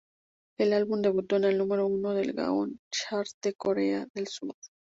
El álbum debutó en el número uno del Gaon Chart de Corea del Sur.